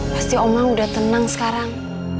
pasti omang udah tenang sekarang